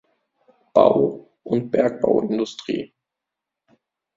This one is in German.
Bau- und Bergbauindustrie.